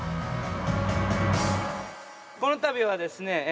この度はですね